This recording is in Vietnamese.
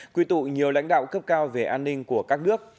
quy tụ nhiều lãnh đạo cấp cao về an ninh của các nước